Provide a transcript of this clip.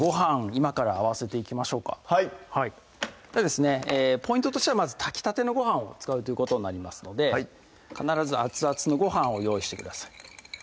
今から合わせていきましょうかはいポイントとしては炊きたてのご飯を使うということになりますので必ず熱々のご飯を用意してください